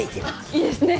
いいですね！